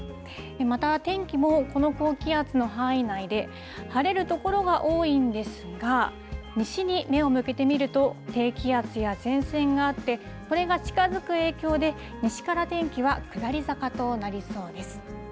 また、天気もこの高気圧の範囲内で晴れる所が多いんですが西に目を向けてみると低気圧や前線があってこれが近づく影響で西から天気は下り坂となりそうです。